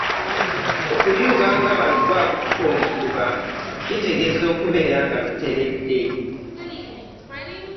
Okuyuuga nga balugu akutte omutuba kitegeeza okubeera nga toteredde.